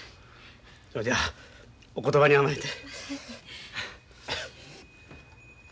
それじゃあお言葉に甘えて。